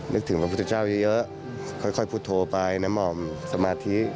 นึกถึงพระพุทธเจ้าเยอะค่อยพูดโทรไปน้ำหม่อมสมาธิ